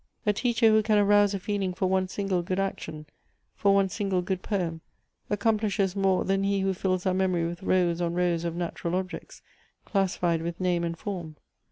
"A teacher who can arouse a feeling for one single good action, for one single good poem, accomplishes more than he who fills our memory with rows on rows of n.itural objects, classified with name and form.